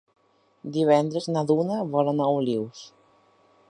Divendres na Duna vol anar a Olius.